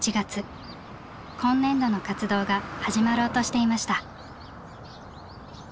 今年度の活動が始まろうとしていました。